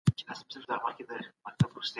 د يتيمانو سره احسان کول لوی ثواب لري.